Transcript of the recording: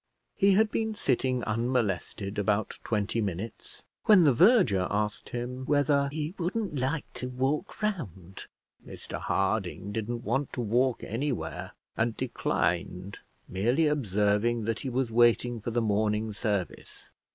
He had been sitting unmolested about twenty minutes when the verger asked him whether he wouldn't like to walk round. Mr Harding didn't want to walk anywhere, and declined, merely observing that he was waiting for the morning service.